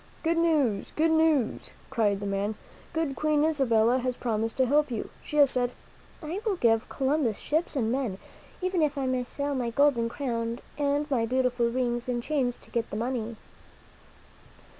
"Good news! Good newsl" cried the man. "Good Queen Isabella has promised to help you. She has said: * I will give Columbus ships and men, even if I must sell my golden crown and my beautiful rings and chains to get the money.'"